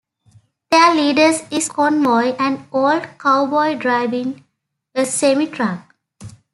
Their leader is Convoy, an old cowboy driving a semi truck.